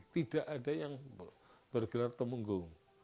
tidak ada yang bergelar temenggung